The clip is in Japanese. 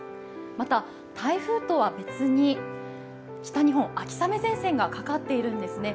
また台風とは別に北日本、秋雨前線がかかっているんですね。